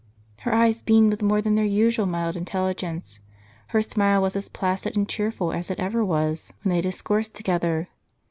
Her eyes beamed with more than their usual mild intelli gence ; her smile was as placid and cheerful as it ever was, when they discoursed together.